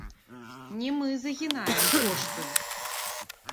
Не мы загінаем кошты.